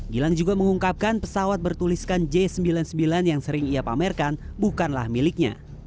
gilang juga mengungkapkan pesawat bertuliskan j sembilan puluh sembilan yang sering ia pamerkan bukanlah miliknya